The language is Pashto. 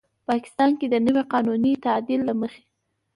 پاکستان کې د نوي قانوني تعدیل له مخې